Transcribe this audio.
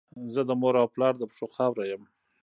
زه د مور او پلار د پښو خاوره یم.